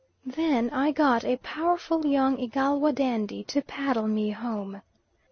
Then I got a powerful young Igalwa dandy to paddle me home.